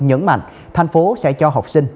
nhấn mạnh thành phố sẽ cho học sinh